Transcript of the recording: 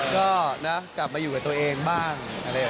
ก็นะกลับมาอยู่กับตัวเองบ้างอะไรอย่างนี้